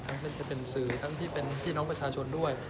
ทั้งเป็นที่เป็นสื่อทั้งที่เป็นพี่น้องประชาชนด้วย